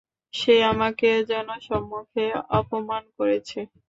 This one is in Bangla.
সে আমাকে জনসম্মুখে অপমান করেছে!